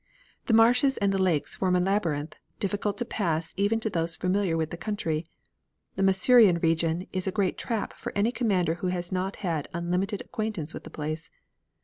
The marshes and the lakes form a labyrinth, difficult to pass even to those familiar with the country. The Masurian region is a great trap for any commander who has not had unlimited acquaintance with the place.